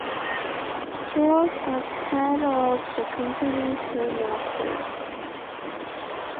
Strouse as head of the company soon after.